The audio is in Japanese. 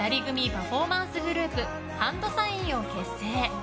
パフォーマンスグループＨＡＮＤＳＩＧＮを結成。